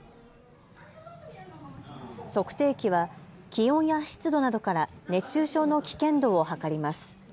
測定器は気温や湿度などから熱中症の危険度を測ります。